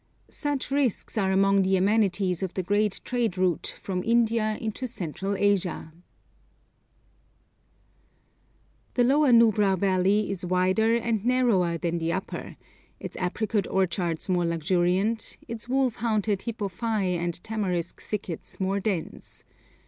Such risks are among the amenities of the great trade route from India into Central Asia! [Illustration: THREE GOPAS] The Lower Nubra valley is wilder and narrower than the Upper, its apricot orchards more luxuriant, its wolf haunted hippophaë and tamarisk thickets more dense.